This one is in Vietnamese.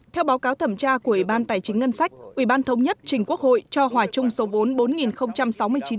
theo báo cáo thẩm tra của ủy ban tài chính ngân sách ủy ban thống nhất trình quốc hội cho hòa chung số vốn